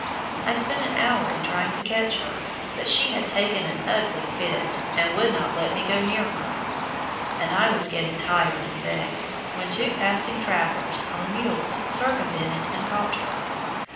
I spent an hour in trying to catch her, but she had taken an "ugly fit," and would not let me go near her; and I was getting tired and vexed, when two passing trappers, on mules, circumvented and caught her.